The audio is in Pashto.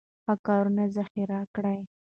ښه کارونه ذخیره کړئ.